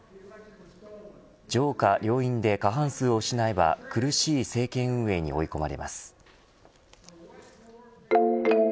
上下両院で過半数を失えば苦しい政権運営に追い込まれます。